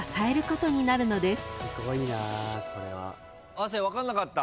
亜生分かんなかった？